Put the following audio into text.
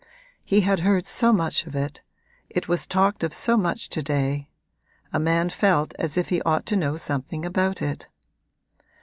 He had heard so much of it; it was talked of so much to day; a man felt as if he ought to know something about it.